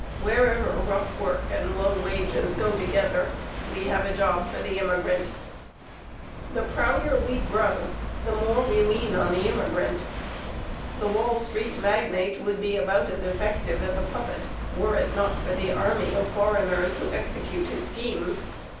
Wherever rough work and low wages go together, we have a job for the immigrant. The prouder we grow, the more we lean on the immigrant. The Wall Street magnate would be about as effective as a puppet were it not for the army of foreigners who execute his schemes.